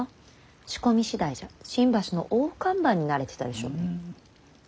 仕込みしだいじゃ新橋の大看板になれてたでしょうに。